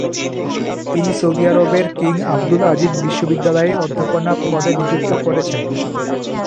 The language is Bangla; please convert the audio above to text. তিনি সৌদি আরবের কিং আব্দুল আজিজ বিশ্ববিদ্যালয়ে অধ্যাপনা পদে নিযুক্ত করয়েছেন।